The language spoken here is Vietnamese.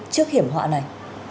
trước hiểm họa này